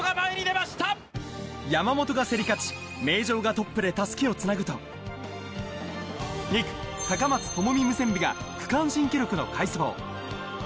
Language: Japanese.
山本が競り勝ち、名城がトップで襷をつなぐと、２区、高松智美ムセンビが区間新記録の快走。